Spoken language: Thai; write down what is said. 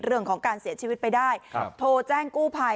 เรื่องของการเสียชีวิตไปได้โทรแจ้งกู้ภัย